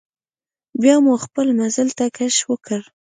بیا مو خپل مزل ته کش ورکړ.